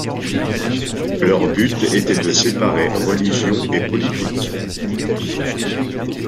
Leur but était de séparer religion et politique.